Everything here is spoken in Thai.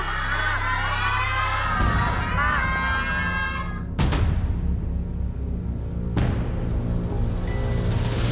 มากกว่า